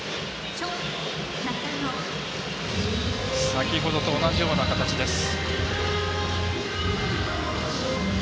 先ほどと同じような形です。